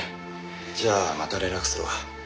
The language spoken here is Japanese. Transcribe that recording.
じゃあまた連絡するわ。